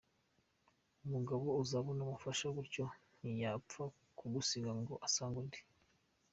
Umugabo uzabona umufasha gutyo ntiyapfa kugusiga ngo asange undi.